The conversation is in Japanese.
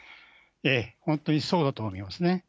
ええ、本当にそうだと思いますね。